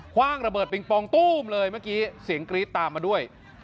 ว่างระเบิดปิงปองตู้มเลยเมื่อกี้เสียงกรี๊ดตามมาด้วย